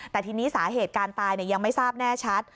แต่ทีนี้สาเหตุการตายยังไม่ทราบแน่ชัด